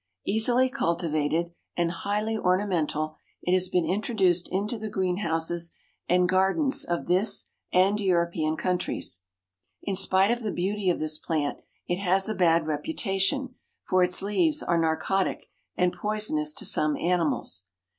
Easily cultivated and highly ornamental, it has been introduced into the greenhouses and gardens of this and European countries. In spite of the beauty of this plant, it has a bad reputation, for its leaves are narcotic and poisonous to some animals.